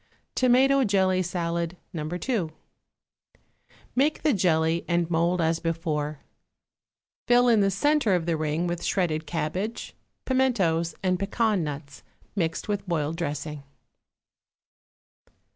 =Tomato Jelly Salad, No. 2.= Make the jelly and mould as before. Fill in the centre of the ring with shredded cabbage, pimentos and pecan nuts, mixed with boiled dressing.